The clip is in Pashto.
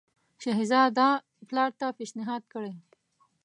شهزاده پلار ته پېشنهاد کړی.